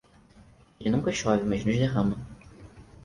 Ele nunca chove, mas nos derrama.